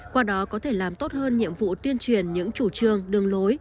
qua đó có thể làm tốt hơn nhiệm vụ tuyên truyền những chủ trương đường lối